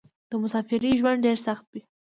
د مسافرۍ ژوند ډېر سخت وې.